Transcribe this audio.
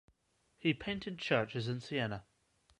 He painted churches in Siena.